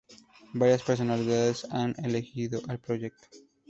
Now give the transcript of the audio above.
Varias personalidades han elogiado el proyecto.